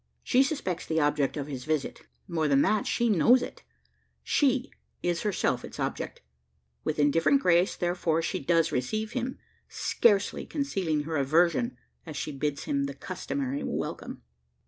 She suspects the object of his visit; more than that, she knows it: she is herself its object. With indifferent grace, therefore, does she receive him: scarcely concealing her aversion as she bids him the customary welcome.